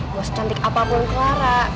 gue secantik apapun clara